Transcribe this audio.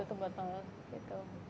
tutup botol gitu